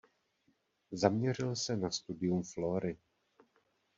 Zaměřil se na studium flóry.